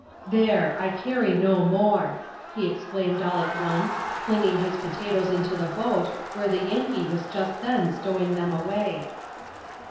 cHAP.ux.] THE MURPHIES. 229 There ! I carry no more 1" he exclaimed all at once, flinging his potatoes into the boat, where the Yankee was just then stowing them away.